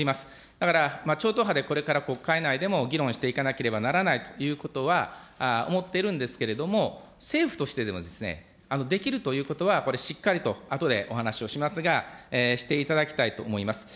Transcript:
だから、超党派でこれから国会内でも議論していかなければならないということは思っているんですけれども、政府としてでも、できるということはこれ、しっかりとあとでお話をしますが、していただきたいと思います。